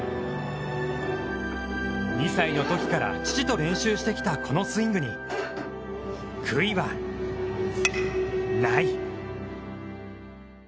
２歳のときから父と練習してきたこのスイングに悔いは、ない！